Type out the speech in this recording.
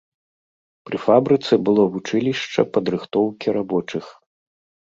Пры фабрыцы было вучылішча падрыхтоўкі рабочых.